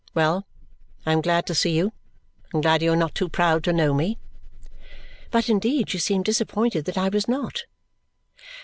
Well! I am glad to see you, and glad you are not too proud to know me." But indeed she seemed disappointed that I was not.